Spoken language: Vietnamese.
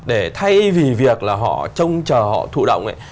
để thay vì việc là họ trông chờ họ thụ động ấy